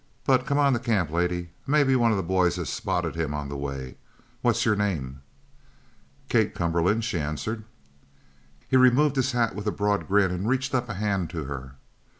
"But come on to the camp, lady. Maybe one of the boys has spotted him on the way. What's your name?" "Kate Cumberland," she answered. He removed his hat with a broad grin and reached up a hand to her.